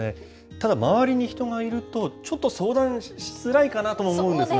ただ、周りに人がいると、ちょっと相談しづらいかなとか思うんですが。